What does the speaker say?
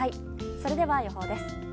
それでは予報です。